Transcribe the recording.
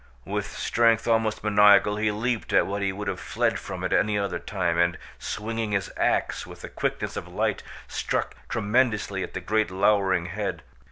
With strength almost maniacal he leaped at what he would have fled from at any other time, and, swinging his ax with the quickness of light, struck tremendously at the great lowering head.